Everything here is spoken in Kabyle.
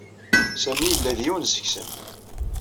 Sami yella d yiwen seg-sen.